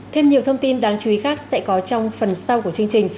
thêm nhiều thông tin đáng chú ý khác sẽ có trong phần sau của chương trình